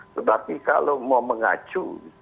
tetapi kalau mau mengacu